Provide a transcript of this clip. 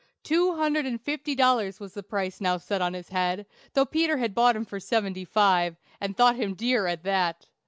Two hundred and fifty dollars was the price now set on his head, though Peter had bought him for seventy five, and thought him dear at that.